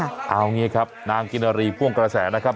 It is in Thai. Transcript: เอาอย่างนี้ครับนางกินอารีกฟ่วงกระแสนะครับ